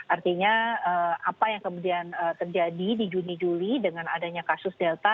artinya apa yang kemudian terjadi di juni juli dengan adanya kasus delta